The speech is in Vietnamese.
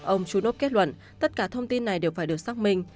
ông chunov kết luận tất cả thông tin này đều phải được xác minh